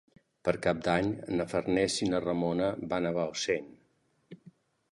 Per Cap d'Any na Farners i na Ramona van a Bausen.